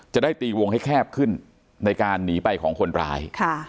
จะได้ตีวงให้แคบขึ้นในการหนีไปของคนร้าย